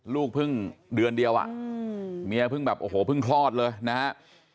ลูกเพิ่งเดือนเดียวอ่ะเมียเพิ่งแบบโอ้โหเพิ่งคลอดเลยนะฮะ